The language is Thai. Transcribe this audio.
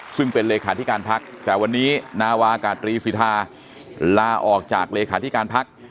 ซึ่งเป็นเลขาธิการพักแต่วันนี้นาวากาตรีสิทธาลาออกจากเลขาธิการพัก